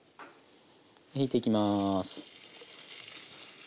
入れていきます。